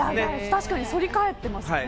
確かに反り返ってますね。